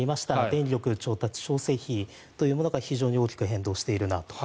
電力調達調整費というものが非常に大きく変動しているなと。